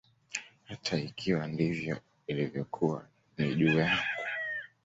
Hata ikiwa ndivyo ilivyokuwa, ni juu yangu.